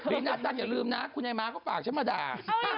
บิรินาจันทร์อย่าลืมนะกูนายมาก็ฝากฉันมาด่า